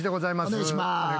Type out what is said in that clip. お願いいたします。